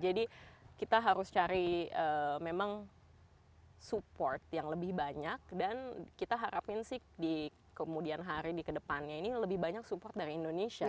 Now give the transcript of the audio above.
jadi kita harus cari memang support yang lebih banyak dan kita harapin sih di kemudian hari di kedepannya ini lebih banyak support dari indonesia